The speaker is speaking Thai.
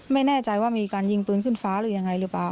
ไม่แน่ใจว่ามีการยิงปืนขึ้นฟ้าหรือยังไงหรือเปล่า